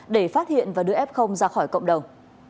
để phát hiện và đưa f ra khỏi cộng đồng